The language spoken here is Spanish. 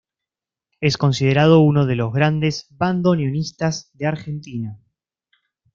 Es considerado uno de los grandes bandoneonistas de Argentina.